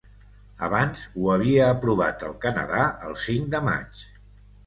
Abans ho havia aprovat el Canadà, el cinc de maig.